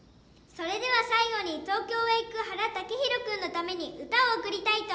それでは最後に東京へ行く原剛洋君のために歌を贈りたいと思います。